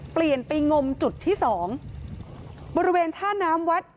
เปลี่ยนไปงมจุดที่สองบริเวณท่าน้ำวัด